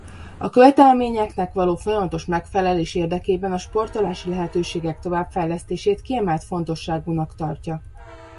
A követelményeknek való folyamatos megfelelés érdekében a sportolási lehetőségek továbbfejlesztését kiemelt fontosságúnak tartja.